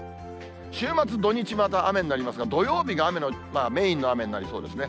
週末、土日また雨になりますが、土曜日が雨の、メインの雨になりそうですね。